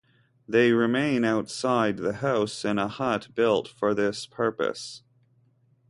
They remain outside the house in a hut built for this purpose.